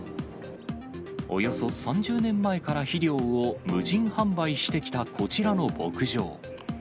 およそ３０年前から肥料を無人販売してきたこちらの牧場。